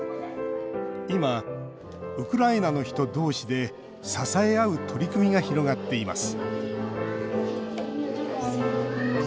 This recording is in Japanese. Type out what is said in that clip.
今ウクライナの人同士で支え合う取り組みが広がっています